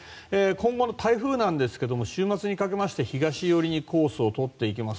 今後の台風ですが週末にかけて東寄りにコースをとっていきます。